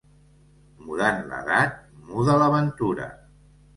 Mudant l'edat, muda la ventura.